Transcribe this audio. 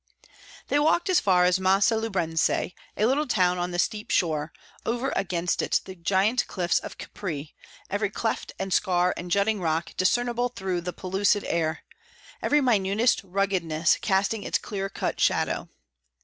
They walked as far as Massa Lubrense, a little town on the steep shore; over against it the giant cliffs of Capri, every cleft and scar and jutting rock discernible through the pellucid air, every minutest ruggedness casting its clear cut shadow.